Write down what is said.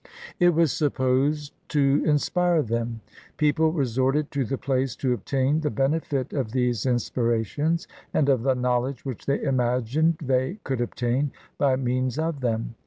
It was supposed to inspire them. People resorted to the place to obtain the benefit of these inspirations, and of the knowledge which they imagined they could obtain by means of them.